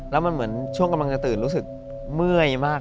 แล้วมันเหมือนช่วงกำลังจะตื่นรู้สึกเมื่อยมาก